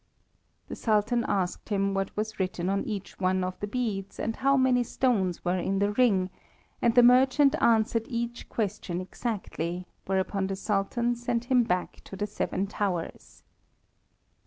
The Sultan asked him what was written on each one of the beads and how many stones were in the ring, and the merchant answered each question exactly, whereupon the Sultan sent him back to the Seven Towers.